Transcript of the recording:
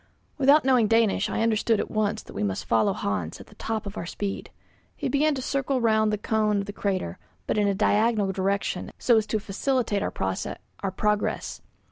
Without knowing Danish I understood at once that we must follow Hans at the top of our speed. He began to circle round the cone of the crater, but in a diagonal direction so as to facilitate our progress.